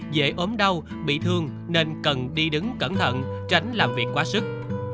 dễ ốm đau bị thương nên cần đi đứng cẩn thận tránh làm việc quá sức